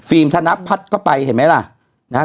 ฟิล์มถนัชพรรษก็ไปเห็นไหมล่ะ